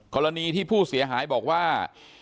กรณีที่ผู้เสียหายบอกว่า